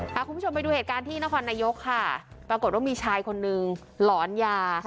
พาคุณผู้ชมไปดูเหตุการณ์ที่นครนายกค่ะปรากฏว่ามีชายคนนึงหลอนยา